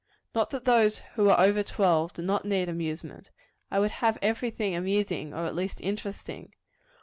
Not that those who are over twelve, do not need amusement. I would have every thing amusing or at least interesting.